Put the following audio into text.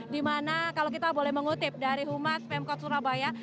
dimana kalau kita boleh mengutip dari humas pemkot surabaya